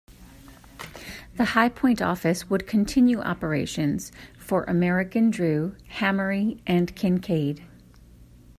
The High Point office would continue operations for American Drew, Hammary, and Kincaid.